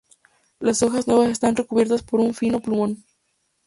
Las hojas nuevas están recubiertas por un fino plumón.